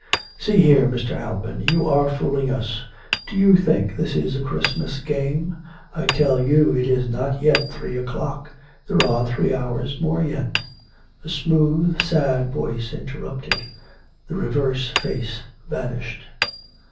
" See here, Mr. Alban. You are fooling us. Do you think this is a Christmas game? I tell you it is not yet three o'clock. There are three hours more yet " A smooth, sad voice interrupted. (The reversed face vanished.)